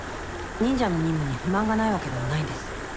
忍者の任務に不満がないわけではないんです。